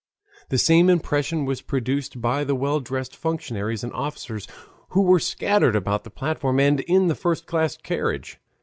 The same impression was produced by the well dressed functionaries and officers who were scattered about the platform and in the first class carriage.